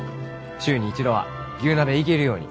週に一度は牛鍋行けるように。